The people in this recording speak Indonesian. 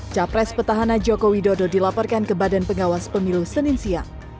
capres petahana joko widodo dilaporkan ke badan pengawas pemilu senin siang